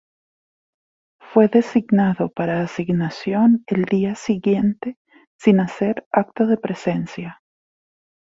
Fue designado para asignación el día siguiente sin hacer acto de presencia.